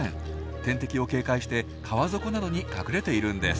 天敵を警戒して川底などに隠れているんです。